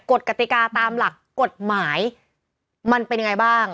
กติกาตามหลักกฎหมายมันเป็นยังไงบ้าง